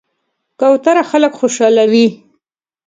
کوتره خلک خوشحالوي.